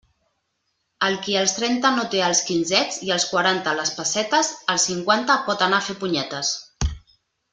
El qui als trenta no té els quinzets i als quaranta les pessetes, als cinquanta pot anar a fer punyetes.